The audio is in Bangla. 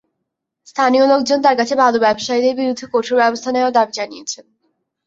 স্থানীয় লোকজন তাঁর কাছে বালু ব্যবসায়ীদের বিরুদ্ধে কঠোর ব্যবস্থা নেওয়ার দাবি জানিয়েছেন।